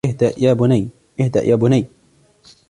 اهدأ يا بني.